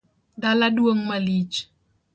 Dala duong’ malich